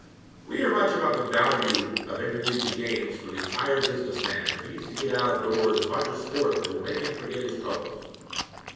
We hear much about the value of intercollegiate games for the 'tired business man' who needs to get out of doors and watch a sport that will make him forget his troubles.